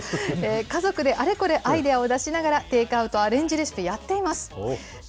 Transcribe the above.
家族であれこれアイデアを出しながら、テイクアウトアレンジレシピ、やっています。